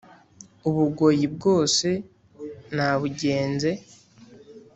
u bugoyi bwose nabugenze